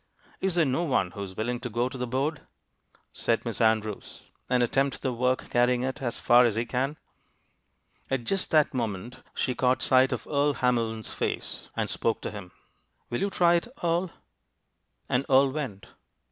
"Is there no one who is willing to go to the board," said Miss Andrews, "and attempt the work, carrying it as far as he can?" At just that moment she caught sight of Earle Hamlin's face, and spoke to him. "Will you try it, Earle?" And Earle went.